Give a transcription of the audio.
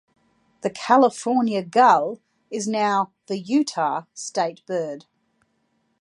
The California gull is now the Utah State bird.